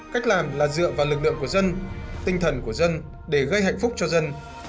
cách làm là dựa vào lực lượng của dân tinh thần của dân để gây hạnh phúc cho dân